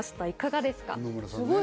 いかがですか？